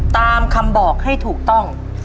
ตามคำบอกให้ถูกต้อง